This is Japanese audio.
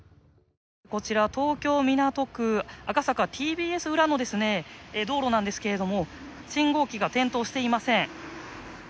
こちら東京・港区赤坂ＴＢＳ裏の道路ですが信号機が点灯していません。